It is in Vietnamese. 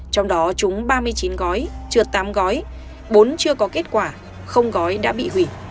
trong đó trúng ba mươi chín gói trượt tám gói bốn chưa có kết quả gói đã bị hủy